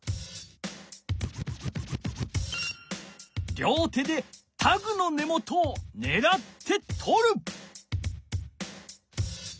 両手でタグの根元をねらってとる。